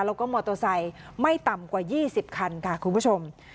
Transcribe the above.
แล้วก็มอโตไซด์ไม่ต่ำกว่ายี่สิบคันค่ะคุณผู้ชม